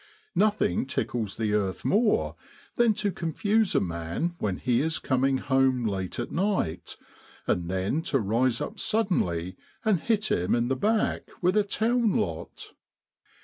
Nothing tickles the earth more than to confuse a man when he is coming home late at night, and then to rise up suddenly and hit him in the back with a town lot.